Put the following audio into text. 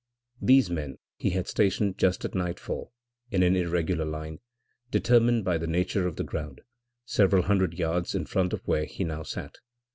These men he had stationed just at nightfall in an irregular line, determined by the nature of the ground, several hundred yards in front of where he now sat.